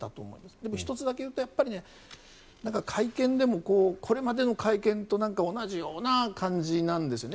でも、１つだけ言うと会見でも、これまでの会見と同じような感じなんですよね。